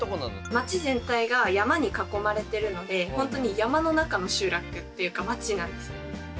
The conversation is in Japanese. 町全体が山に囲まれてるのでほんとに山の中の集落っていうか町なんですよね。